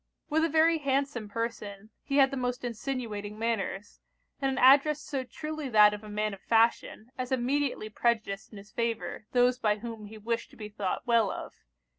With a very handsome person, he had the most insinuating manners, and an address so truly that of a man of fashion, as immediately prejudiced in his favour those by whom he wished to be thought well of.